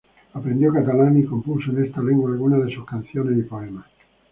Aprendió catalán y compuso en esta lengua algunas de sus canciones y poemas.